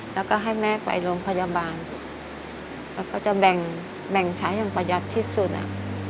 แล้วก็ให้แม่ไปโรงพยาบาลแล้วก็จะแบ่งใช้อย่างประหยัดที่สุดอ่ะ